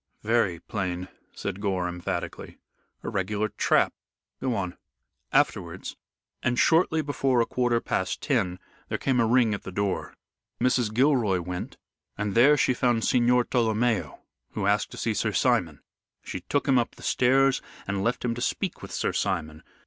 "Very plain," said Gore, emphatically. "A regular trap. Go on." "Afterwards, and shortly before a quarter past ten, there came a ring at the door. Mrs. Gilroy went, and there she found Signor Tolomeo, who asked to see Sir Simon. She took him up the stairs, and left him to speak with Sir Simon.